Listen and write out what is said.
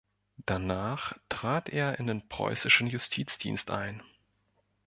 Danach trat er in den preußischen Justizdienst ein.